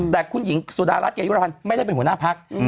แต่คุณหญิงสุดารัฐเกยุรพันธ์ไม่ได้เป็นหัวหน้าพัก